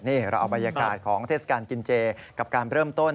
นี่เราเอาบรรยากาศของเทศกาลกินเจกับการเริ่มต้น